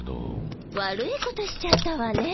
悪いことしちゃったわね。